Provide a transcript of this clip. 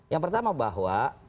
yang pertama bahwa